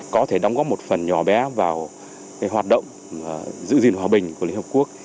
có thể đóng góp một phần nhỏ bé vào hoạt động giữ gìn hòa bình của liên hợp quốc